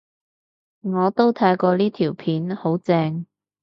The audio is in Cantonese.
我都睇過呢條片，好正